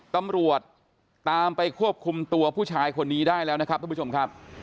ตำรวจตามไปควบคุมตัวผู้ชายคนนี้ได้แล้วนะครับท่านผู้ชมครับ